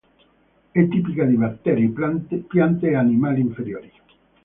È tipica di batteri, piante e animali inferiori.